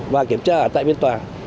và kiểm tra tại biên tòa